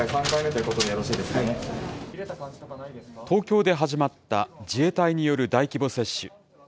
東京で始まった自衛隊による大規模接種。